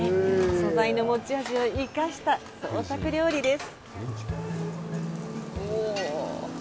素材の持ち味を生かした創作料理です。